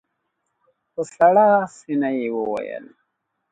په سړه سينه يې وويل.